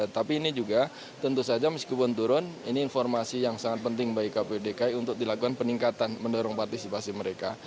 tapi ini juga tentu saja meskipun turun ini informasi yang sangat penting bagi kpu dki untuk dilakukan peningkatan mendorong partisipasi mereka